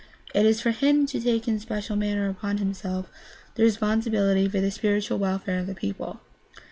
It is for him to take in special manner upon himself the responsi bility for the spiritual welfare of the people.